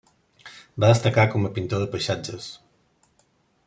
Va destacar com a pintor de paisatges.